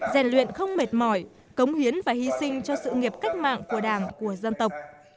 rèn luyện không mệt mỏi cống hiến và hy sinh cho sự nghiệp cách mạng của đảng của dân tộc